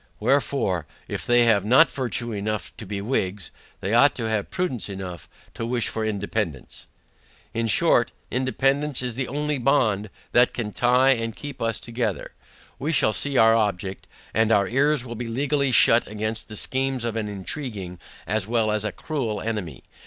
WHEREFORE, if they have not virtue enough to be WHIGS, they ought to have prudence enough to wish for Independance. In short, Independance is the only BOND that can tye and keep us together. We shall then see our object, and our ears will be legally shut against the schemes of an intriguing, as well, as a cruel enemy.